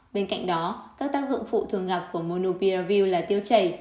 bên cạnh đó các tác dụng phụ thường gặp của monupiravir là tiêu chảy